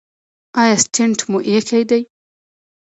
ایا سټنټ مو ایښی دی؟